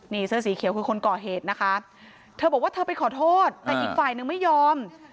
นี่เสื้อสีเขียวคือคนก่อเหตุนะคะเธอบอกว่าเธอไปขอโทษแต่อีกฝ่ายนึงไม่ยอม